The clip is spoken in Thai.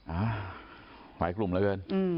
อ้าวไหวกลุ่มเลยเกิน